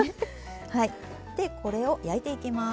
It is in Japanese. でこれを焼いていきます。